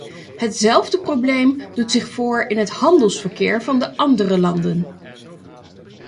Hetzelfde probleem doet zich voor in het handelsverkeer van de andere landen.